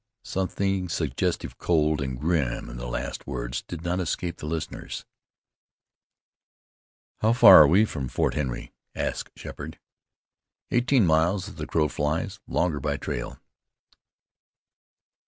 Something suggestive, cold, and grim, in the last words did not escape the listeners. "How far are we from Fort Henry?" asked Sheppard. "Eighteen miles as a crow flies; longer by trail."